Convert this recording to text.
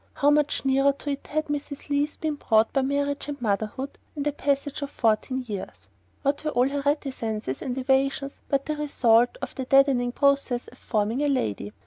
How much nearer to it had Mrs. Leath been brought by marriage and motherhood, and the passage of fourteen years? What were all her reticences and evasions but the result of the deadening process of forming a "lady"?